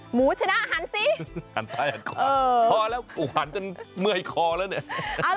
หมูชนะหันสิหันซ้ายหันคอพอแล้วหันจนเมื่อยคอแล้วเนี่ย